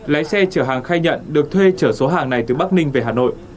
lái xe chở hàng khai nhận được thuê chở số hàng này từ bắc ninh về hà nội